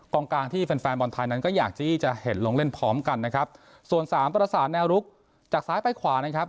กลางกลางที่แฟนแฟนบอลไทยนั้นก็อยากที่จะเห็นลงเล่นพร้อมกันนะครับส่วนสามประสานแนวลุกจากซ้ายไปขวานะครับ